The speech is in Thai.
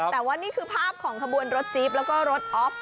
แต่ว่านี่คือภาพของขบวนรถจิ๊บแล้วก็รถออฟ